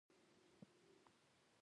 زه هره ورځ یو ساعت فلم ګورم.